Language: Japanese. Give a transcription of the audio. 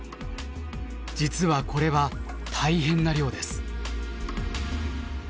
実はこれは大変な量です。